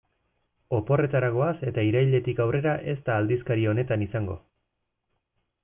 Oporretara goaz eta irailetik aurrera ez da aldizkari honetan izango.